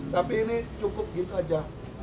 tapi ini cukup gitu aja